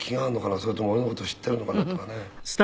それとも俺の事知っているのかなとかね」